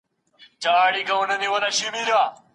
ناړۍ د غنمو تر رېبلو وروسته پاتهشوني دي .